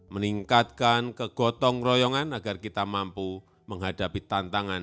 meningkatkan kegotong royongan agar kita mampu menghadapi tantangan